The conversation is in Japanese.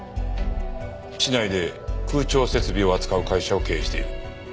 市内で空調設備を扱う会社を経営している。